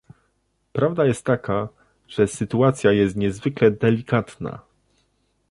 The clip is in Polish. Prawda jest taka, że sytuacja jest niezwykle delikatna